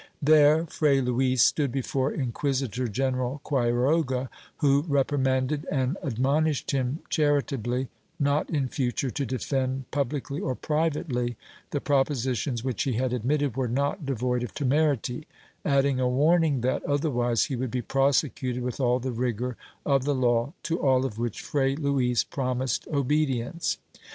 There Fray Luis stood before Inquisitor general Quiroga who reprimanded and admonished him charitably not in future to defend, publicly or privately, the propositions which he had admitted w^ere not clevoid of temerity, adding a warning that otherwise he would be prosecuted with all the rigor of the law, to all of which Fray Luis promised obedience.